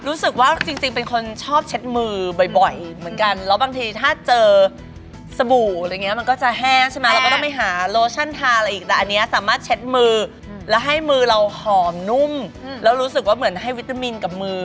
รู้สึกว่าจริงเป็นคนชอบเช็ดมือบ่อยเหมือนกันแล้วบางทีถ้าเจอสบู่อะไรอย่างเงี้ยมันก็จะแห้งใช่ไหมเราก็ต้องไปหาโลชั่นทาอะไรอีกแต่อันนี้สามารถเช็ดมือแล้วให้มือเราหอมนุ่มแล้วรู้สึกว่าเหมือนให้วิตามินกับมือ